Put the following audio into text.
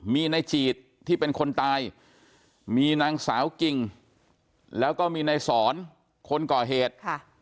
มีในจีดที่เป็นคนตายมีนางสาวกิ่งแล้วก็มีในสอนคนก่อเหตุ